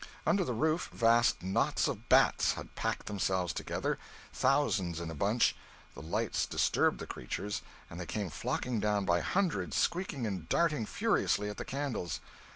Under the roof vast knots of bats had packed themselves together, thousands in a bunch; the lights disturbed the creatures and they came flocking down by hundreds, squeaking and darting furiously at the candles.